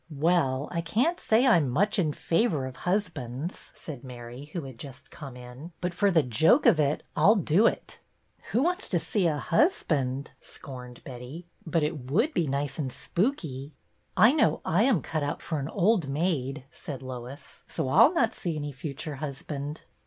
" Well, I can't say I am much in favor of husbands," said Mary, who had just come in, " but, for the joke of it, I 'll do it." " Who wants to see a husband ?" scorned Betty. " But it would be nice and spooky." " I know I am cut out for an old maid," said Lois, "so I'll not see any future hus band."